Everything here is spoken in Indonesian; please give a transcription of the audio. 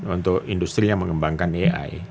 untuk industri yang mengembangkan ai